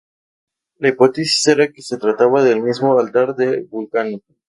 La hipótesis era que se trataba del mismo altar de Vulcano.